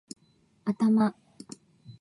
頭